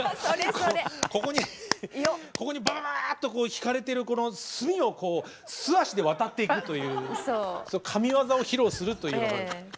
ここにババババッと敷かれている炭を素足で渡っていくという神業を披露するというような感じ。